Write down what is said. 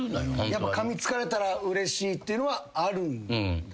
やっぱかみつかれたらうれしいっていうのはあるんですね